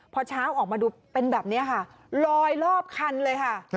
พอเช้าออกมาดูเป็นแบบนี้ค่ะลอยรอบคันเลยค่ะ